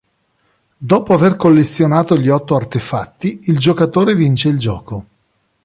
Dopo aver collezionato gli otto artefatti, il giocatore vince il gioco.